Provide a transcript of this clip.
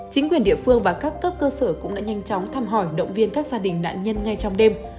chính quyền địa phương và các cấp cơ sở cũng đã nhanh chóng thăm hỏi động viên các gia đình nạn nhân ngay trong đêm